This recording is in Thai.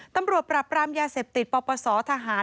ตำรวจปรับปรามยาเสพติดปปศทหาร